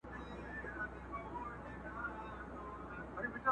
هلک مړ سو د دهقان په کور کي غم سو!.